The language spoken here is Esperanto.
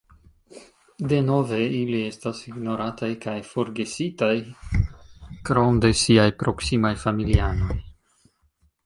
Denove, ili estas ignorataj kaj forgesitaj krom de siaj proksimaj familianoj.